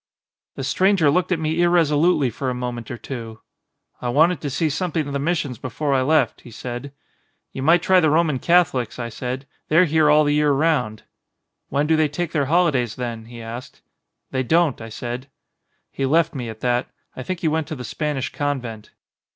"The stranger looked at me irresolutely for a moment or two. 'I wanted to see something of the missions before I left,' he said. 'You might try the Roman Catholics,' I said, 'they're here all the year round.' 'When do they take their holidays then?' he asked. 'They don't,' I said. He left me at that. I think he went to the Spanish convent."